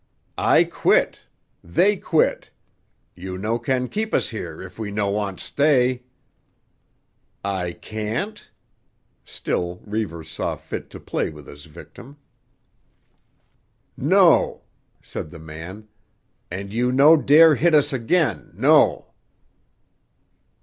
I quit. They quit. You no can keep us here if we no want stay." "I can't?" Still Reivers saw fit to play with his victim. "No," said the man. "And you no dare hit us again, no."